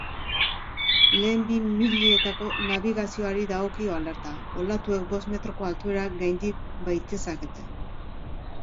Lehen bi milietako nabigazioari dagokio alerta, olatuek bost metroko altuera gaindi baitezakete.